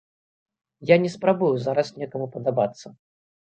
Я не спрабую зараз некаму падабацца.